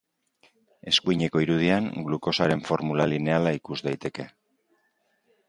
Eskuineko irudian glukosaren formula lineala ikus daiteke.